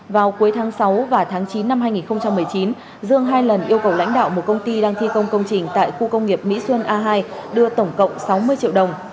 vào cuối tháng sáu và tháng chín năm hai nghìn một mươi chín dương hai lần yêu cầu lãnh đạo một công ty đang thi công công trình tại khu công nghiệp mỹ xuân a hai đưa tổng cộng sáu mươi triệu đồng